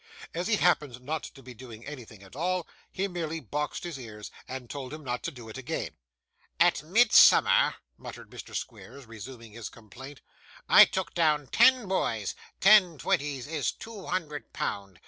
As he happened not to be doing anything at all, he merely boxed his ears, and told him not to do it again. 'At Midsummer,' muttered Mr. Squeers, resuming his complaint, 'I took down ten boys; ten twenties is two hundred pound.